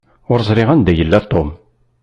Ur ẓṛiɣ anda i yella Tom.